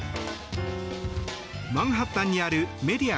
マンハッタンにあるメディア